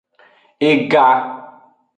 Ega.